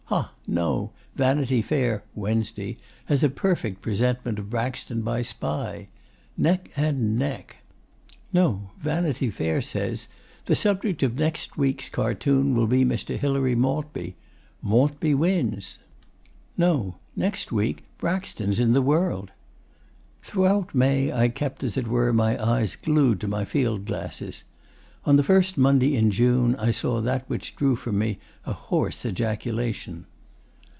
Ha! No, Vanity Fair (Wednesday) has a perfect presentment of Braxton by 'Spy.' Neck and neck! No, Vanity Fair says 'the subject of next week's cartoon will be Mr. Hilary Maltby.' Maltby wins! No, next week Braxton's in the World. Throughout May I kept, as it were, my eyes glued to my field glasses. On the first Monday in June I saw that which drew from me a hoarse ejaculation.